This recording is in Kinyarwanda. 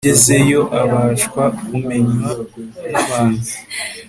yagezeyo abashwa kumenywa n abantu